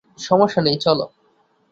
সমস্যা নেই, চলো।